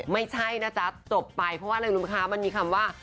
ไม่ใช่นะจ๊ะตกไปเพราะว่าในรุมค้ามันมีคำว่า